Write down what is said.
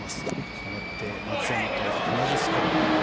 したがって松山と同じスコア。